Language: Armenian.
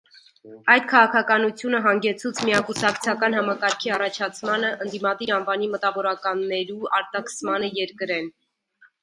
Այդ քաղաքականութիւնը հանգեցուց միակուսակցական համակարգի առաջացմանը, ընդդիմադիր անվանի մտավորականներու արտաքսմանը երկրէն։